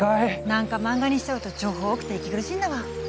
なんか漫画にしちゃうと情報多くて息苦しいんだわ。